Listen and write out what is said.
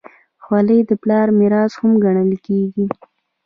خولۍ د پلار میراث هم ګڼل کېږي.